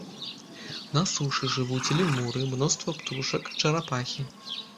На сушы жывуць лемуры, мноства птушак, чарапахі.